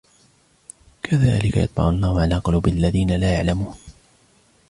كَذَلِكَ يَطْبَعُ اللَّهُ عَلَى قُلُوبِ الَّذِينَ لَا يَعْلَمُونَ